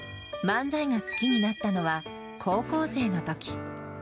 漫才が好きになったのは、高校生のとき。